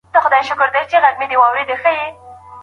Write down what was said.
ادبیاتو پوهنځۍ له اجازې پرته نه کارول کیږي.